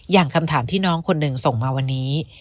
อย่างคำถามที่น้องคนหนึ่งส่งมาวันนี้